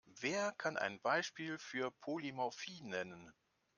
Wer kann ein Beispiel für Polymorphie nennen?